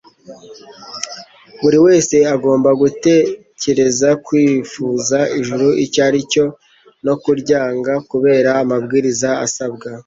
Buri wese agomba gutekereza kwifuza ijuru icyo ari cyo, no kuryanga kubera amabwiriza asabwa.